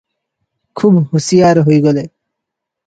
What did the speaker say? ଖୁବ୍ ହୁସିଆର ହୋଇଗଲେ ।